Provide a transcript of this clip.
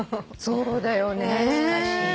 そうだよね。